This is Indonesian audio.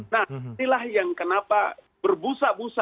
nah inilah yang kenapa berbusa busa